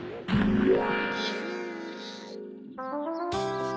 うわ！